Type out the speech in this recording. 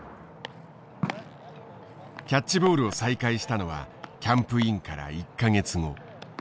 キャッチボールを再開したのはキャンプインから１か月後。